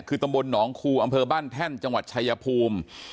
คือตำบลหนองคูอำเภอบ้านแท่นจังหวัดชายภูมิ